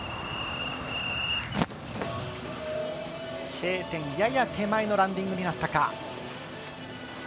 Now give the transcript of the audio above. Ｋ点やや手前のランディングになったか。